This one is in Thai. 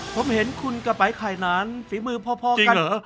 ผมเห็นคุณกับไปร่ไข่นานฝีมือพอกันจริงเหรอ